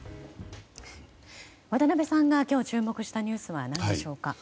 渡辺さんが今日、注目したニュースは何でしょうか。